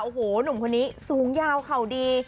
โอ้โหหนุ่มคนนี้สูงยาวเข่าดี